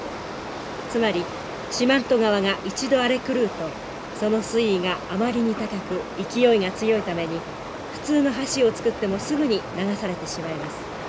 つまり四万十川が一度荒れ狂うとその水位があまりに高く勢いが強いために普通の橋を造ってもすぐに流されてしまいます。